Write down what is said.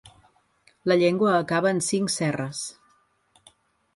La llengua acaba en cinc cerres.